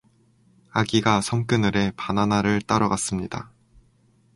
아기가 섬 그늘에 바나나를 따러 갔습니다.